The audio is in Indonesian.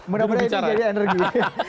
menambahnya ini menjadi energi